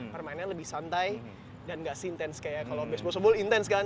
permainannya lebih santai dan nggak sih intense kayak kalau baseball softball intense kan